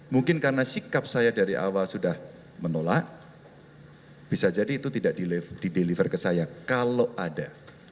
mungkin karena sikap saya dari awal sudah menolak bisa jadi itu tidak dideliver ke saya kalau ada